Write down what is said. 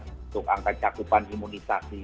untuk angka cakupan imunisasi